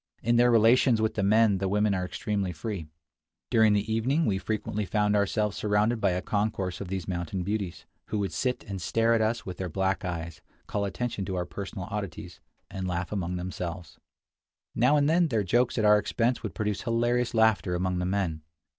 In their relations with the men the women are extremely free. During the evening we frequently found ourselves surrounded by a concourse of these mountain beauties, who would sit and stare at us with their black eyes, call attention to our personal oddities, and laugh among themselves. Now and then their jokes at our expense would produce hilarious laughter among the men.